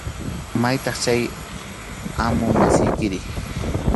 ¿Maytaq chay amu masiykiri?